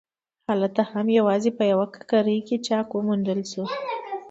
هلته هم یوازې په یوه ککرۍ کې چاک وموندل شو.